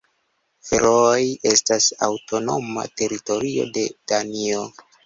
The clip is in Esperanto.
Ferooj estas aŭtonoma teritorio de Danio.